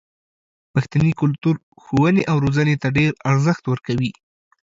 پښتني کلتور ښوونې او روزنې ته ډېر ارزښت ورکوي.